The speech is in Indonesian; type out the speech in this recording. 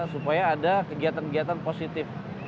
supaya ada kegiatan kegiatan positif